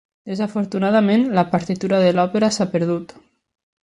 Desafortunadament, la partitura de l'òpera s'ha perdut.